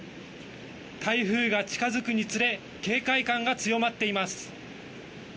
台風が近づくにつれ警戒感が強まっています。